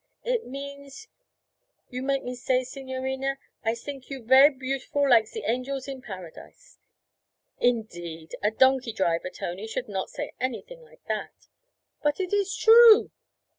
'It means you make me say, signorina, "I sink you ver' beautiful like ze angels in Paradise."' 'Indeed! A donkey driver, Tony, should not say anything like that.' 'But it is true.'